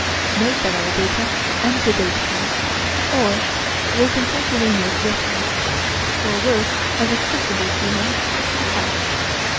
Most of our data antedate him, or were contemporaneous with him, or were as accessible to him as to us.